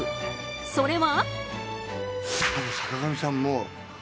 それは。